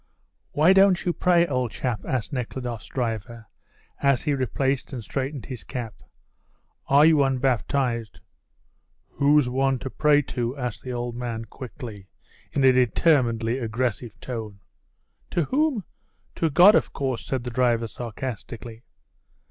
"Why don't you pray, old chap?" asked Nekhludoff's driver as he replaced and straightened his cap. "Are you unbaptized?" "Who's one to pray to?" asked the old man quickly, in a determinately aggressive tone. "To whom? To God, of course," said the driver sarcastically.